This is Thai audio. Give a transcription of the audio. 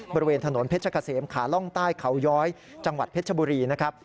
บริเวณถนนเพชรเกษมขาล่องใต้เขาย้อยจังหวัดเพชรบุรีนะครับ